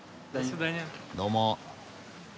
どうも。